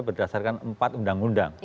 berdasarkan empat undang undang